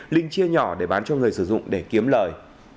linh chia nhỏ để bán cho người sử dụng để kiếm lời